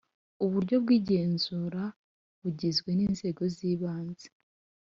Uburyo bw igenzura bugizwe ninzego zibanze